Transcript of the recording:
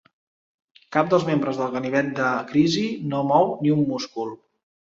Cap dels membres del gabinet de crisi no mou ni un múscul.